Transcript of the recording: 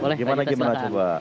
boleh rajita silahkan